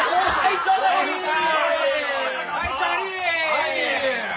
はい。